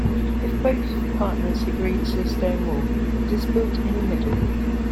If both partners agree to the stone wall, it is built in the middle.